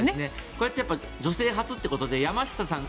こうやって女性初ということで山下さん